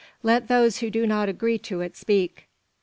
"Let those who do not agree to it speak."